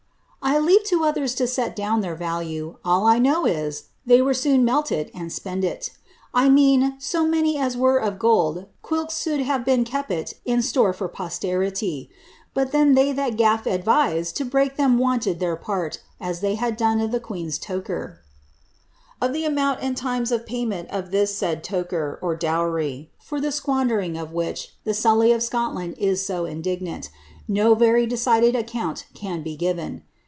■■ 1 leave to others to set down their value \ ail I know is. they were soon meltet and spendh ; I mean, so itiaiiy as were of gold, ijuljiil; suld have been keepit in store for posterilie. But then thev thai ej) adiise to break litem wanted iheir part, as ihey had done of the quien'* Ol the amount and limes of pavment of this said tocher, or down, for ihc si|uaiidering of which the Suliv of Scotland is so indiiznaiii. no Tcrj decided account can be given.